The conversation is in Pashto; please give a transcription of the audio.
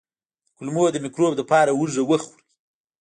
د کولمو د مکروب لپاره هوږه وخورئ